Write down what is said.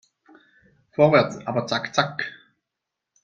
Vorwärts, aber zack zack!